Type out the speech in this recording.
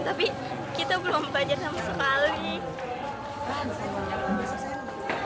tapi kita belum belajar sama sekali